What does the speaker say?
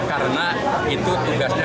karena itu tugasnya